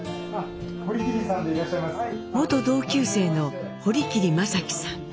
元同級生の堀切正喜さん。